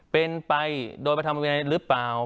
เป็นไปโดยประธรรมวินัยหรือเปล่า